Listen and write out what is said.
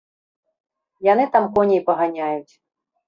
Яны там коней паганяюць.